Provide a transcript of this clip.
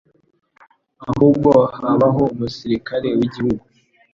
ahubwo habaho umusirikare w'igihugu,